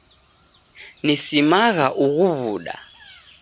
Nisimagha ughu w'uda.